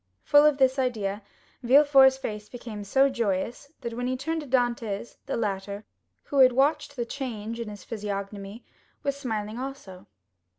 Full of this idea, Villefort's face became so joyous, that when he turned to Dantès, the latter, who had watched the change on his physiognomy, was smiling also.